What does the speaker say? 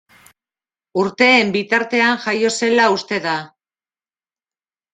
Urteen bitartean jaio zela uste da.